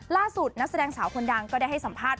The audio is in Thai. นักแสดงสาวคนดังก็ได้ให้สัมภาษณ